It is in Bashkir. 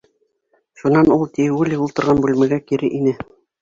Шунан ул Тиули ултырған бүлмәгә кире инә.